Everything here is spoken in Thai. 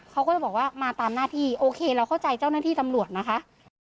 เขาก็จะบอกว่ามาตามหน้าที่โอเคเราเข้าใจเจ้าหน้าที่ตำรวจนะคะ